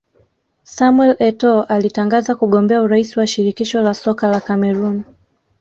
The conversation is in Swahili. Samuel Etoo alitangaza kugombea urais wa Shirikisho la Soka la Cameroon